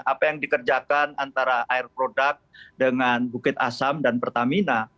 apa yang dikerjakan antara air product dengan bukit asam dan pertamina